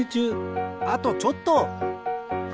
あとちょっと！